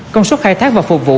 công suất khai thác và phục vụ